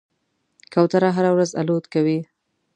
کوتره هره ورځ الوت کوي.